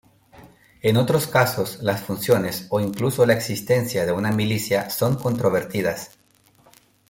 En otros casos, las funciones o incluso la existencia de una milicia son controvertidas.